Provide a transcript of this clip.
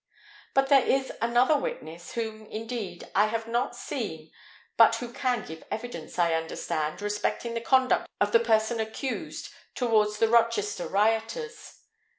But there is another witness, whom, indeed, I have not seen, but who can give evidence, I understand, respecting the conduct of the person accused towards the Rochester rioters.